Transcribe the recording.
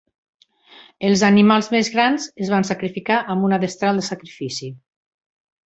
Els animals més grans es van sacrificar amb una destral de sacrifici.